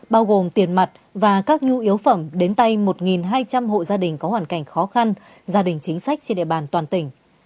bao gồm tiền mặt và các nhu yếu phẩm đến tay một hai trăm linh hộ gia đình có hoàn cảnh khó khăn gia đình chính sách trên địa bàn toàn tỉnh